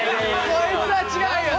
こいつは違うよな。